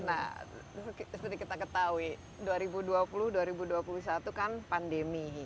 nah seperti kita ketahui dua ribu dua puluh dua ribu dua puluh satu kan pandemi